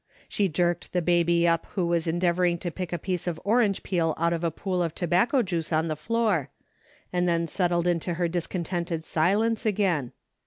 She jerked the baby up who was endeavoring to pick a piece of orange peel out of a pool of tobacco juice on the floor, and then settled into her discontented silence again.